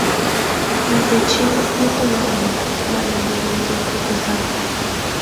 — Мый дечем ит ойырло, — мане Левентей кугыза.